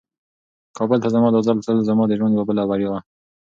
کابل ته زما دا ځل تلل زما د ژوند یوه بله بریا وه.